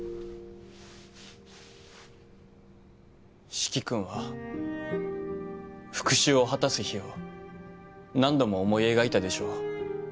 四鬼君は復讐を果たす日を何度も思い描いたでしょう。